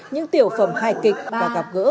những tiểu phẩm hài kịch và gặp gỡ